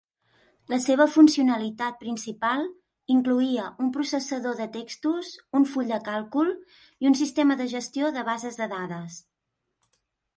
La seva funcionalitat principal incloïa un processador de textos, un full de càlcul i un sistema de gestió de bases de dades.